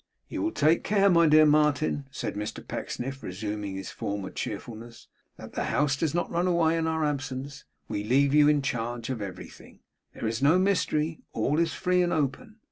'You will take care, my dear Martin,' said Mr Pecksniff, resuming his former cheerfulness, 'that the house does not run away in our absence. We leave you in charge of everything. There is no mystery; all is free and open.